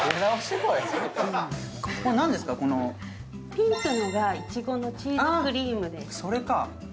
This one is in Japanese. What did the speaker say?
ピンクのがいちごのチーズクリームです。